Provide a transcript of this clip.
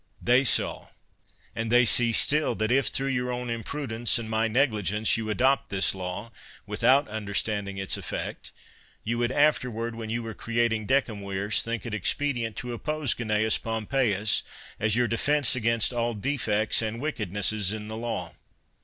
They saw, and they see still, that if, through your own imprudence and my negligence, you 78 CICERO adopt this law, without understanding its effect, you would afterward, when you were creating decemvirs, think it expedient to oppose Cnaeus Pompeius as your defense against all defects and wickednesses in the law.